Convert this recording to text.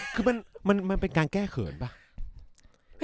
คือมันเป็นการแก้เขินป่ะ